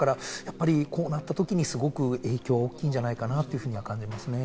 こうなったときに影響が大きいんじゃないかなというふうに感じますね。